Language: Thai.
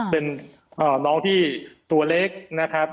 เป็นน้องที่ตัวเล็ก